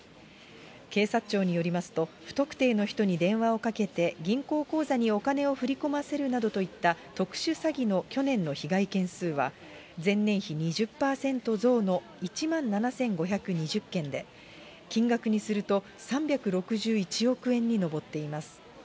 警察庁によりますと、不特定の人に電話をかけて、銀行口座にお金を振り込ませるなどといった特殊詐欺の去年の被害件数は前年比２０％増の１万７５２０件で、金額にすると３６１億円に上っています。